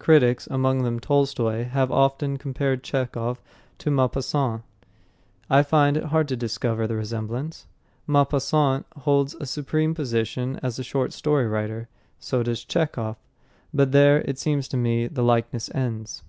Critics, among them Tolstoy, have often compared Chekhov to Maupassant. I find it hard to discover the resemblance. Maupassant holds a supreme position as a short story writer; so does Chekhov. But there, it seems to me, the likeness ends.